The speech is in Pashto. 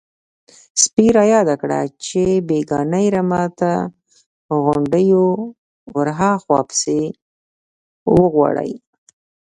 _سپي را ياده کړه چې بېګانۍ رمه تر غونډيو ورهاخوا پسې وغواړئ.